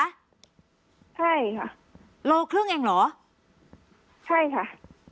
ใช่ค่ะโลครึ่งเองเหรอใช่ค่ะ